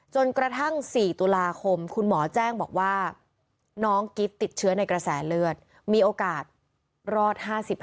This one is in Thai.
จนกระทั่ง๔ตุลาคมคุณหมอแจ้งบอกว่าน้องกิ๊บติดเชื้อในกระแสเลือดมีโอกาสรอด๕๕